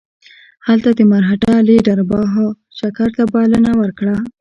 هغه د مرهټه لیډر بهاشکر ته بلنه ورکړه.